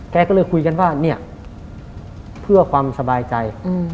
แกก็เลยคุยกันว่าเนี่ยเพื่อความสบายใจ